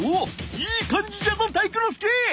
いいかんじじゃぞ体育ノ介！